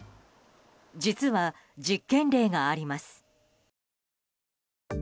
実は、実験例があります。